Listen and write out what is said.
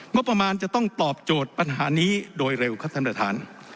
งบประมาณจะต้องตอบโจทย์ปัญหานี้โดยเร็วครับท่านประธาน